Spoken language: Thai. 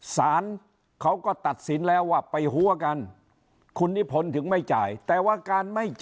สารเขาก็ตัดสินแล้วว่าไปหัวกัน